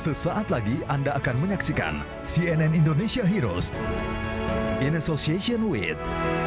sesaat lagi anda akan menyaksikan cnn indonesia heroes in association with